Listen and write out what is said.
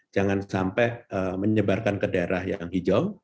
jangan sampai menyebarkan ke daerah yang hijau